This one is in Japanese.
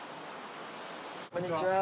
こんにちは。